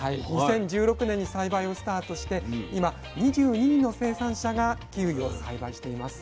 ２０１６年に栽培をスタートして今２２人の生産者がキウイを栽培しています。